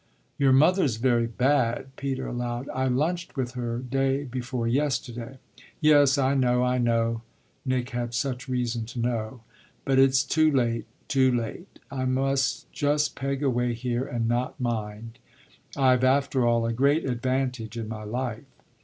"Your mother's very bad," Peter allowed "I lunched with her day before yesterday." "Yes, I know, I know" Nick had such reason to know; "but it's too late, too late. I must just peg away here and not mind. I've after all a great advantage in my life."